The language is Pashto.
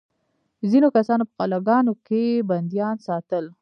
ځینو کسانو په قلعه ګانو کې بندیان ساتل.